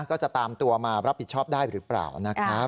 ก็จะตามตัวมารับผิดชอบได้หรือเปล่านะครับ